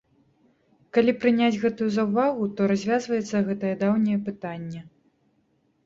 Калі прыняць гэтую заўвагу, то развязваецца гэтае даўняе пытанне.